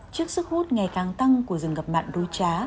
trước sức hút ngày càng tăng của rừng ngập mặn đuôi trá